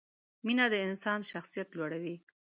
مینه د انسان شخصیت لوړوي.